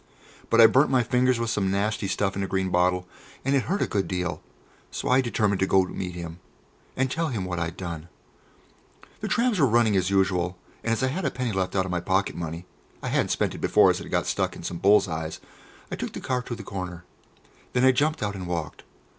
But I burnt my fingers with some nasty stuff in a green bottle, and it hurt a good deal. So I determined to go to meet him, and tell him what I'd done. [Illustration: "Nancy Blake."] The trams were running as usual, and as I had a penny left out of my pocket money I hadn't spent it before as it had got stuck in some bulls' eyes I took the car to the corner; then I jumped out and walked.